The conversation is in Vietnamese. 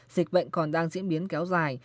dịch bệnh còn đang diễn biến kéo dài